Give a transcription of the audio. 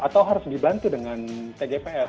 atau harus dibantu dengan tgpf